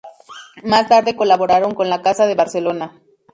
Más tarde colaboraron con la casa de Barcelona.